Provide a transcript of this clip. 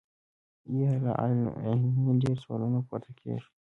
يا لا علمۍ ډېر سوالونه پورته کيږي -